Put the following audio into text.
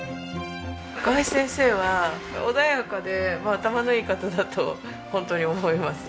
川合先生は穏やかで頭のいい方だとホントに思います。